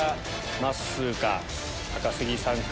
まっすーか高杉さんか。